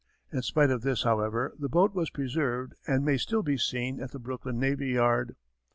In spite of this, however, the boat was preserved and may still be seen at the Brooklyn Navy Yard.